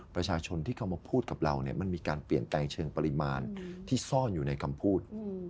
ประชาชนที่เขามาพูดกับเราเนี่ยมันมีการเปลี่ยนแปลงเชิงปริมาณที่ซ่อนอยู่ในคำพูด